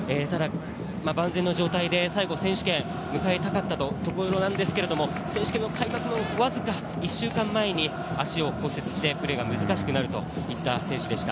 万全の状態で最後選手権を迎えたかったところなんですが、選手権の開幕のわずか１週間前に足を骨折してプレーが難しくなるといった選手でした。